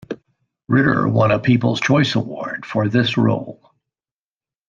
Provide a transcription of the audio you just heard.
Ritter won a People's Choice Award for this role.